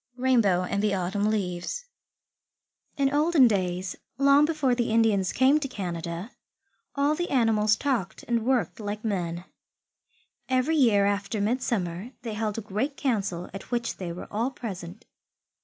RAINBOW AND THE AUTUMN LEAVES In olden days, long before the Indians came to Canada, all the animals talked and worked like men. Every year after midsummer they held a great council at which they were all present.